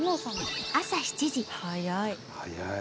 早い。